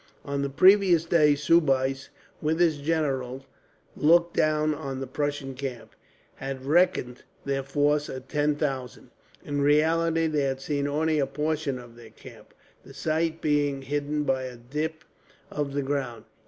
On the previous day Soubise, with his generals, looking down on the Prussian camp, had reckoned their force at ten thousand. In reality they had seen only a portion of their camp, the site being hidden by a dip of the ground.